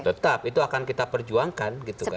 tetap itu akan kita perjuangkan gitu kan